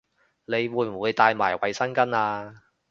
你會唔會帶埋衛生巾吖